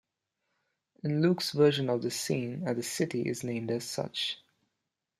In Luke's version of this scene at the city is named as such.